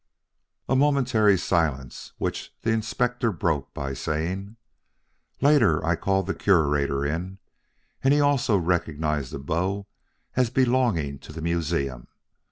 A momentary silence, which the Inspector broke by saying: "Later I called the Curator in, and he also recognized the bow as belonging to the museum.